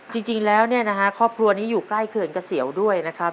จริงแล้วเนี่ยนะฮะครอบครัวนี้อยู่ใกล้เขื่อนเกษียวด้วยนะครับ